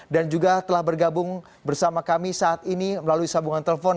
juga telah bergabung bersama kami saat ini melalui sambungan telepon